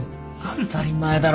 当たり前だろ。